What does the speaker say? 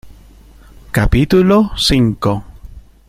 capítulo cinco.